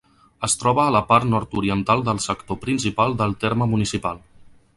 Es troba a la part nord-oriental del sector principal del terme municipal.